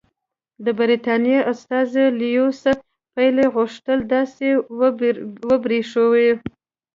د برټانیې استازي لیویس پیلي غوښتل داسې وبرېښوي.